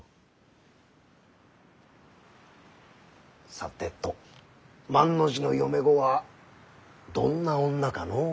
さてと万の字の嫁御はどんな女かのう？